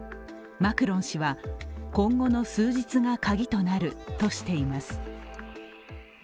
マクロン氏は、今後の数日がカギとなるとしています。